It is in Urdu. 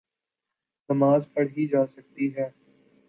نماز پڑھی جاسکتی ہے۔